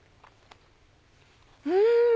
うん！